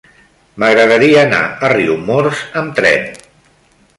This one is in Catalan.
M'agradaria anar a Riumors amb tren.